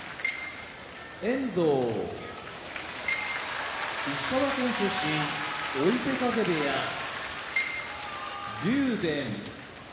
遠藤石川県出身追手風部屋竜電